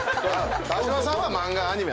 川島さんは漫画アニメ。